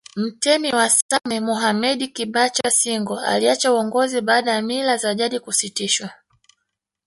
Mtemi wa Same Mohammedi Kibacha Singo aliacha uongozi baada ya mila za jadi kusitishwa